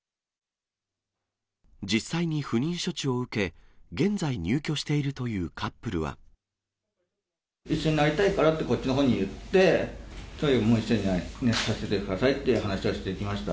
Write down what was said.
実際に不妊処置を受け、現在入居しているというカップル一緒になりたいからって、こっちのほうに言って、とにかく一緒にさせてくださいという話をしてきました。